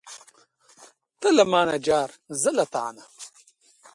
ته له مانه جار، زه له تانه.